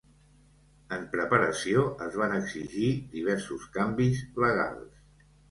En preparació, es van exigir diversos canvis legals.